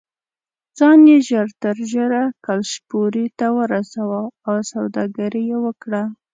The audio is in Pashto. ځان یې ژر تر ژره کلشپورې ته ورساوه او سوداګري یې وکړه.